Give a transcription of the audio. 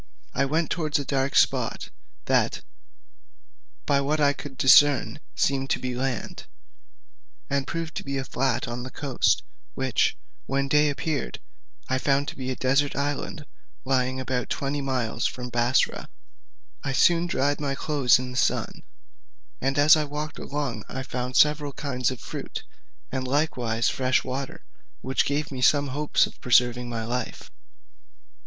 I went towards a dark spot, that, by what I could discern, seemed to be land, and proved to be a flat on the coast, which, when day appeared, I found to be a desert island, lying about twenty miles from Bussorah. I soon dried my clothes in the sun, and as I walked along I found several kinds of fruit, and likewise fresh water, which gave me some hopes of preserving my life.